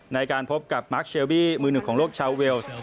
ในการพบกับมาร์คเชลบี้มือหนึ่งของโลกชาวเวลส์